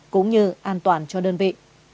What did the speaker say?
cũng như an toàn cho đơn vị